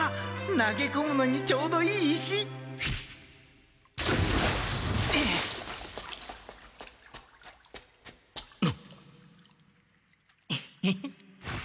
投げこむのにちょうどいい石！エッへへ。